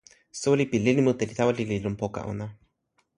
soweli pi lili mute li tawa lili lon poka ona.